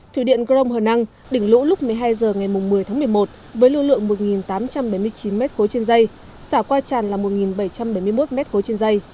thủy điện grong hờ năng đỉnh lũ lúc một mươi hai h ngày một mươi tháng một mươi một với lưu lượng một tám trăm bảy mươi chín m ba trên dây xả qua tràn là một bảy trăm bảy mươi một m ba trên dây